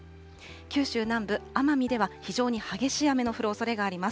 九州南部、奄美では非常に激しい雨の降るおそれがあります。